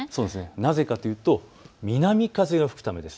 なぜかというと南風が吹くためです。